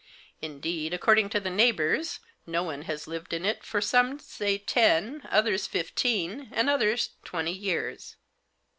Indeed, according to the neighbours, no one has lived in it for, some say ten, others fifteen, and others twenty years."